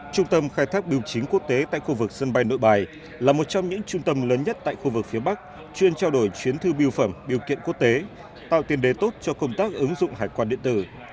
trung tâm khai thác biểu chính quốc tế tại khu vực sân bay nội bài là một trong những trung tâm lớn nhất tại khu vực phía bắc chuyên trao đổi chuyến thư biêu phẩm biểu kiện quốc tế tạo tiền đề tốt cho công tác ứng dụng hải quan điện tử